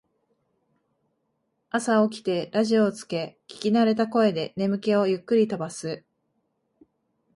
朝起きてラジオをつけ聞きなれた声で眠気をゆっくり飛ばす